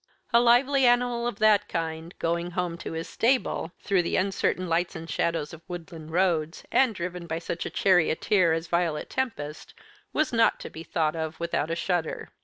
A lively animal of that kind, going home to his stable, through the uncertain lights and shadows of woodland roads, and driven by such a charioteer as Violet Tempest, was not to be thought of without a shudder.